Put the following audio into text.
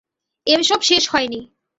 এসব শেষ হয়নি।